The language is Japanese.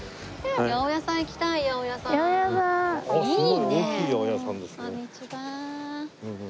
こんにちは。